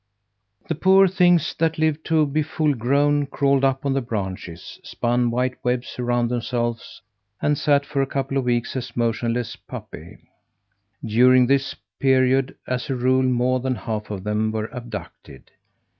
The poor things that lived to be full grown crawled up on the branches, spun white webs around themselves, and sat for a couple of weeks as motionless pupae. During this period, as a rule, more than half of them were abducted.